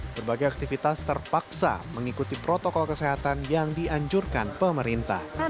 berbagai aktivitas terpaksa mengikuti protokol kesehatan yang dianjurkan pemerintah